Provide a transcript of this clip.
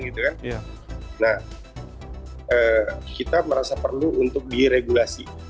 nah kita merasa perlu untuk diregulasi